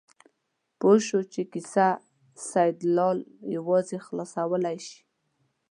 پوه شو چې کیسه سیدلال یوازې خلاصولی شي.